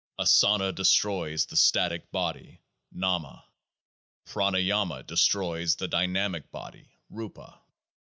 Asana destroys the static body (Nama). Pranayama destroys the dynamic body (Rupa).